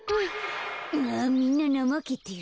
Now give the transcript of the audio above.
あみんななまけてる。